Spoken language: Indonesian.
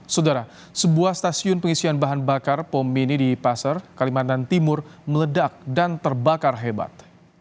saudara sebuah stasiun pengisian bahan bakar pom mini di pasar kalimantan timur meledak dan terbakar hebat